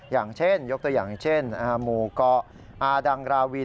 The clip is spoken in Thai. ยกตัวอย่างเช่นหมู่เกาะอาดังราวี